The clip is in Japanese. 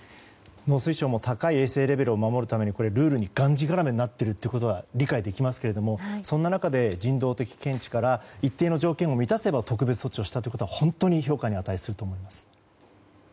農水省も高い衛生レベルを守るためにルールにがんじがらめになっていることも理解できますがそんな中で人道的見地から一定の条件を満たせば特別措置をしたということは評価に値すると思います。